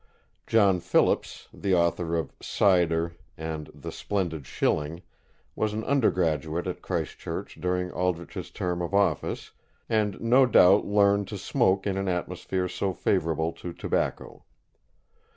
John Philips, the author of "Cyder" and the "Splendid Shilling," was an undergraduate at Christ Church, during Aldrich's term of office, and no doubt learned to smoke in an atmosphere so favourable to tobacco.